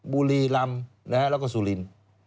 บุรีรำแล้วก็สุริน